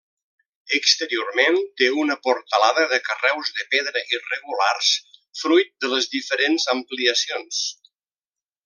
Exteriorment té una portalada de carreus de pedra irregulars fruit de les diferents ampliacions.